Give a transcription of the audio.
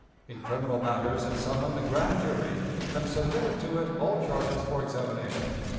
In criminal matters it summoned a grand jury, and submitted to it all charges for examination."